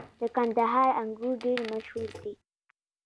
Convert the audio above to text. • د کندهار انګور ډېر مشهور دي.